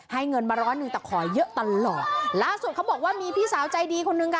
เงินมาร้อยหนึ่งแต่ขอเยอะตลอดล่าสุดเขาบอกว่ามีพี่สาวใจดีคนนึงค่ะ